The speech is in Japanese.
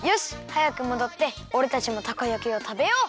はやくもどっておれたちもたこ焼きをたべよう！